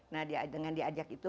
nah dengan diajak itu